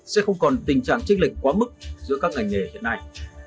sẽ không còn tình trạng trích lệch quá mức giữa các ngành nghề hiện nay